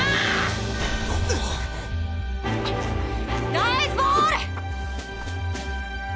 ナイスボール！